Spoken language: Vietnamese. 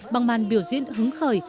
bằng màn biểu diễn hứng khởi